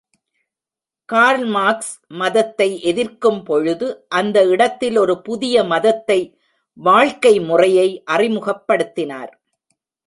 Curl Marx மதத்தை எதிர்க்கும் பொழுது, அந்த இடத்தில் ஒரு புதிய மதத்தை வாழ்க்கை முறையை அறிமுகப்படுத்தினார்.